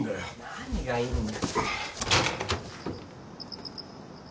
何がいいんだよ。